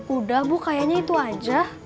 udah bu kayaknya itu aja